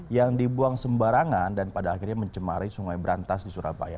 yang dibuang sembarangan dan pada akhirnya mencemari sungai berantas di surabaya